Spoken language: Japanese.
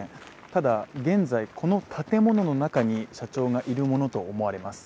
ただ、現在この建物の中に社長がいるものと思われます。